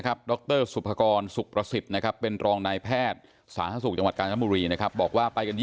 หากลับ๓คันผ่านไปได้แล้ว